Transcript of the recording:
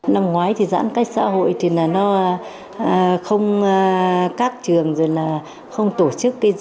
năm ngoái giãn cách xã hội thì nó không các trường rồi là không tổ chức cái gì